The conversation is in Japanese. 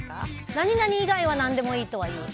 何々以外は何でもいいとは言う。